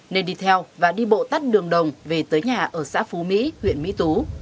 nên đi theo và đi bộ tắt đường đồng về tới nhà ở xã phú mỹ huyện mỹ tú